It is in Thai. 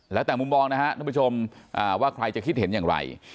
แล้วแต่มุมมองนะฮะท่านผู้ชมว่าใครจะคิดเห็นอย่างไร